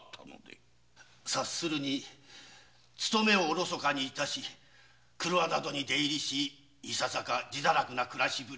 察するに勤めをおろそかにし廓などに出入りして自堕落な暮らしぶり。